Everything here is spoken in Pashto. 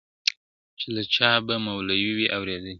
چي له چا به مولوي وي اورېدلې٫